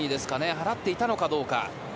払っていたのかどうか。